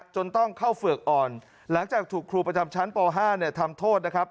จนต้องเข้าเฝือกอ่อนหลังจากถูกครูประจำชั้นป๕ทำโทษนะครับ